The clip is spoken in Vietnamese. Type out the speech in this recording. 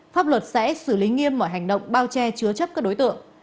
pháp luật sẽ xử lý nghiêm mọi hành động bao che chứa chấp các đối tượng